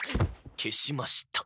消しました。